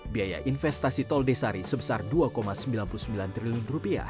biaya investasi tol desari sebesar rp dua sembilan puluh sembilan triliun